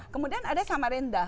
kemudian ada samarenda